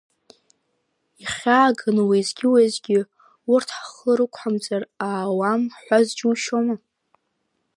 Ихьааганы уеизгьы-уеизгьы урҭ ҳхы рықәҳамҵар аауам ҳҳәаз џьушьома.